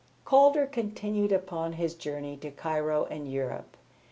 Calder continued upon his journey to Cairo and Europe.